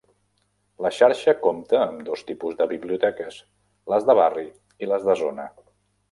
La xarxa compta amb dos tipus de biblioteques: les de barri i les de zona.